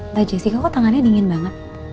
mbak jessica kok tangannya dingin banget